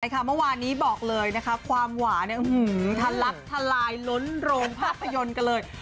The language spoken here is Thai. เมื่อวานนี้บอกเลยนะคะความหวานทะลักทลายล้นโรงภาพยนตร์กันเลย